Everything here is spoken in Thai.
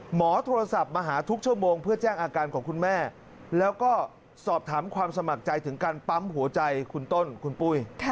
หมอโทรศัพท์มาหาทุกชั่วโมงเพื่อแจ้งอาการของคุณแม่แล้วก็สอบถามความสมัครใจถึงการปั๊มหัวใจคุณต้นคุณปุ้ย